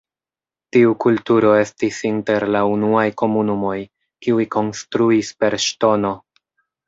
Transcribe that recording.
Tiu kulturo estis inter la unuaj komunumoj, kiuj konstruis per ŝtono.